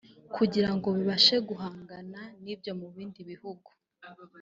kugira ngo bibashe guhangana n’ibyo mu bindi bihugu